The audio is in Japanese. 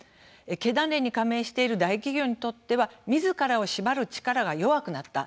経団連に加盟している大企業にとっては、みずからをしばる力が弱くなった。